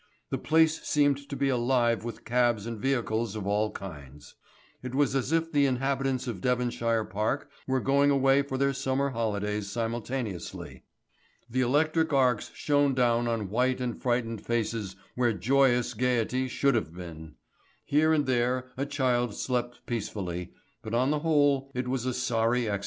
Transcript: The place seemed to be alive with cabs and vehicles of all kinds. It was as if all the inhabitants of Devonshire Park were going away for their summer holidays simultaneously. The electric arcs shone down on white and frightened faces where joyous gaiety should have been. Here and there a child slept peacefully, but on the whole it was a sorry exodus.